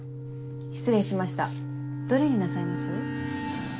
失礼しましたどれになさいます？